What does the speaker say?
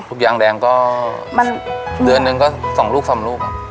รูปยางแดงก็เท่านึงก็สองลูกสามลูก